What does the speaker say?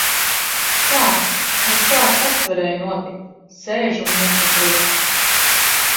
Tā! Nu kā tas varēja notikt? Sēžu un nesaprotu.